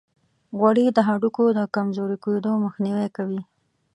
غوړې د هډوکو د کمزوري کیدو مخنیوي کوي.